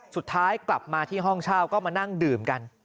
สุดท้ายกลับมาที่ห้องเช่าก็มานั่งดื่มกัน